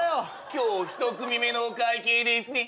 今日一組目のお会計ですね。